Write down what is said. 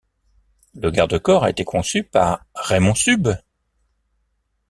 Le garde-corps a été conçu par Raymond Subes.